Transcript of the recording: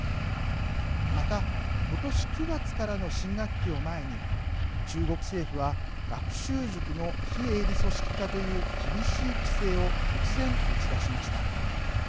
またことし９月からの新学期を前に中国政府は学習塾の非営利組織化という厳しい規制を突然、打ち出しました。